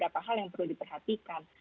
ada hal yang perlu diperhatikan